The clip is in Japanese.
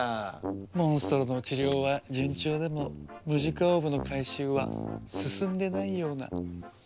モンストロの治療は順調でもムジカオーブの回収は進んでないような。